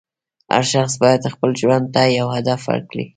هر شخص باید خپل ژوند ته یو هدف ورکړي.